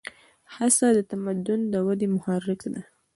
هڅه د تمدن د ودې محرک ده.